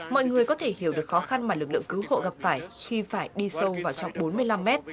mọi người có thể hiểu được khó khăn mà lực lượng cứu hộ gặp phải khi phải đi sâu vào trong bốn mươi năm mét